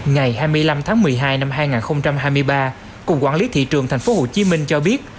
ngày hai mươi năm tháng một mươi hai năm hai nghìn hai mươi ba cục quản lý thị trường thành phố hồ chí minh cho biết